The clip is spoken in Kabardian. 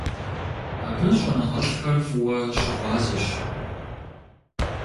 Абы щӏэныгъэлӏхэр фӀыуэ щыгъуазэщ.